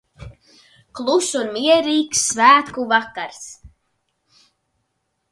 Kluss un mierīgs svētku vakars.